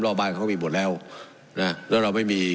บ้านเขามีหมดแล้วนะแล้วเราไม่มี